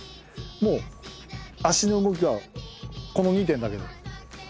もう足の動きはこの２点だけなの。